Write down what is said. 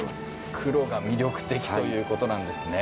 黒が魅力的ということなんですね。